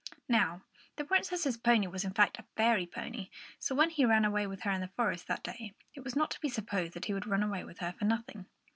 Now, the Princess's pony was of course a fairy pony; so when he ran away with her in the forest, that day, it was not to be supposed that he would run away with her for nothing.